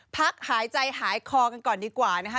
พักหายใจหายคอกันก่อนดีกว่านะคะ